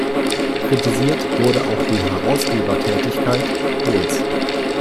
Kritisiert wurde auch die Herausgebertätigkeit Kohls.